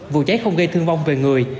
vụ cháy không gây thương vong về người